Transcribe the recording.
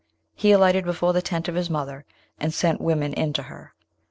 He alighted before the tent of his mother, and sent women in to her.